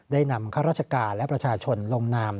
ได้นำข้าราชการและประชาชนลงนาม